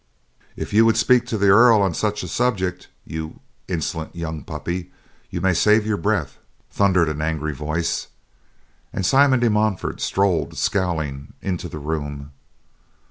"If you would speak to the Earl on such a subject, you insolent young puppy, you may save your breath," thundered an angry voice, and Simon de Montfort strode, scowling, into the room.